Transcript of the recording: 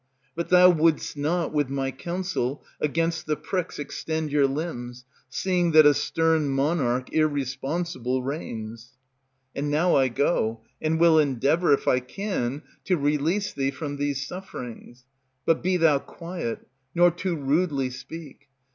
But thou wouldst not, with my counsel, Against the pricks extend your limbs, seeing that A stern monarch irresponsible reigns. And now I go, and will endeavor, If I can, to release thee from these sufferings. But be thou quiet, nor too rudely speak.